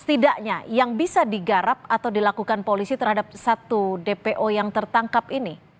setidaknya yang bisa digarap atau dilakukan polisi terhadap satu dpo yang tertangkap ini